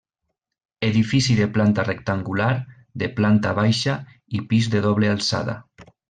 Edifici de planta rectangular, de planta baixa i pis de doble alçada.